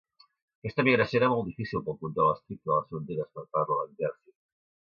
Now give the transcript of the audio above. Aquesta emigració era molt difícil pel control estricte de les fronteres per part de l'exèrcit.